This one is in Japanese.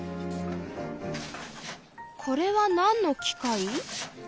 これはなんの機械？